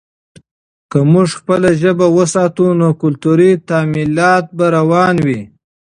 که موږ خپله ژبه وساتو، نو کلتوري تمایلات به روان وي.